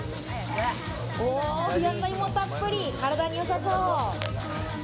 野菜もたっぷり、体によさそう。